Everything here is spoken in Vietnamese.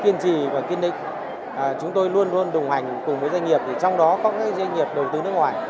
kiên trì và kiên định chúng tôi luôn luôn đồng hành cùng với doanh nghiệp trong đó có các doanh nghiệp đầu tư nước ngoài